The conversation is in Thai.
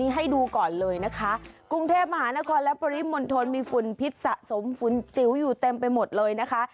ให้ดูก่อนเลยนะคะกรุงเทพมหานครและปริมณฑลมีฝุ่นพิษสะสมฝุ่นจิ๋วอยู่เต็มไปหมดเลยนะคะ